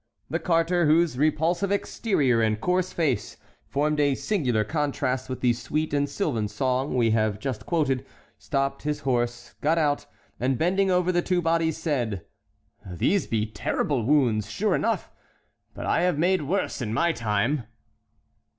The carter, whose repulsive exterior and coarse face formed a singular contrast with the sweet and sylvan song we have just quoted, stopped his horse, got out, and bending over the two bodies said: "These be terrible wounds, sure enough, but I have made worse in my time."